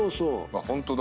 ホントだ。